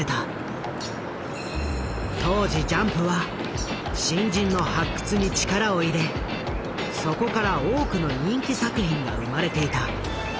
当時ジャンプは新人の発掘に力を入れそこから多くの人気作品が生まれていた。